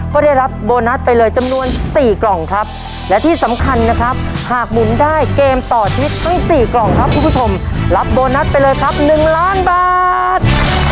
ก็ได้รับโบนัสไปเลยจำนวน๔กล่องครับและที่สำคัญนะครับหากหมุนได้เกมต่อชีวิตทั้งสี่กล่องครับคุณผู้ชมรับโบนัสไปเลยครับ๑ล้านบาท